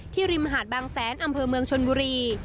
ริมหาดบางแสนอำเภอเมืองชนบุรี